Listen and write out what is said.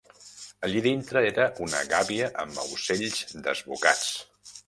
Allí dintre era una gabia amb aucells desbocats